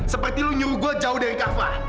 seperti lo nyuruh gue jauh dari kava